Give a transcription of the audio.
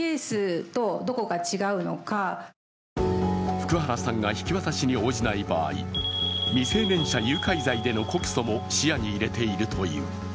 福原さんが引き渡しに応じない場合、未成年者誘拐罪での告訴も視野に入れているという。